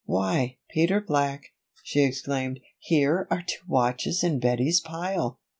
"Why, Peter Black," she exclaimed. "Here are two watches in Bettie's pile!"